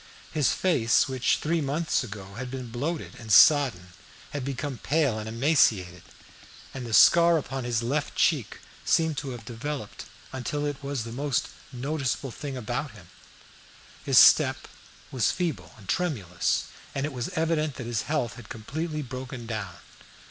His face, which three months ago had been bloated and sodden, had become pale and emaciated, and the scar upon his left cheek seemed to have developed until it was the most noticeable thing about him. His step was feeble and tremulous, and it was evident that his health had completely broken down.